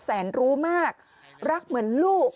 แสนรู้มากรักเหมือนลูก